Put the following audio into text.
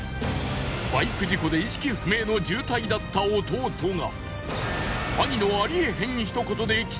バイク事故で意識不明の重体だった弟が。